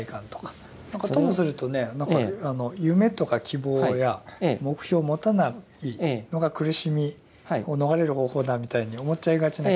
ともするとねなんか夢とか希望や目標を持たないのが苦しみを逃れる方法だみたいに思っちゃいがちな気もするんですけど。